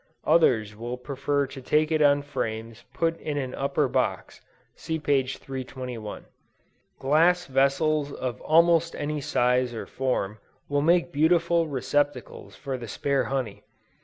Others will prefer to take it on frames put in an upper box; (see p. 231.) Glass vessels of almost any size or form will make beautiful receptacles for the spare honey.